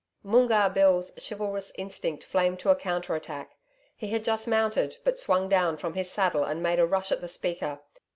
Moongarr Bill's chivalrous instinct flamed to a counter attack. He had just mounted, but swung down from his saddle and made a rush at the speaker.